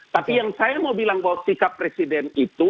tapi yang saya mau bilang bahwa sikap presiden itu